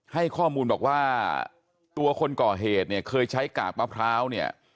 ให้ข้อมูลบอกว่าตัวคนก่อเหตุเนี่ยเคยใช้กากมะพร้าวเนี่ย